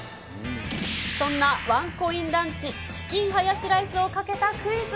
そんなワンコインランチ、チキンハヤシライスをかけたクイズ。